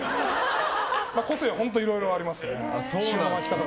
個性は本当いろいろありますね。